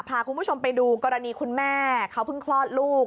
พาคุณผู้ชมไปดูกรณีคุณแม่เขาเพิ่งคลอดลูก